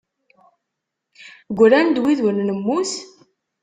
Gran-d wid ur nemmut?